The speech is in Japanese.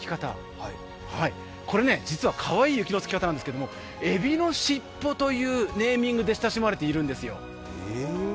実は、かわいい雪の付き方なんですがえびのしっぽというネーミングで親しまれているんですよ。